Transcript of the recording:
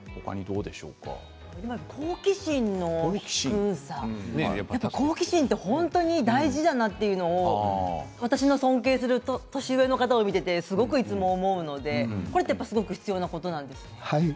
好奇心の低さ好奇心って大事だなということを私の尊敬する年上の方を見ていてすごく、いつも思うので必要なことなんですね。